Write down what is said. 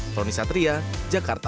tony satria jakarta